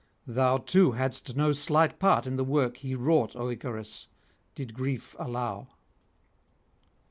Thou too hadst no slight part in the work he wrought, O Icarus, did grief allow.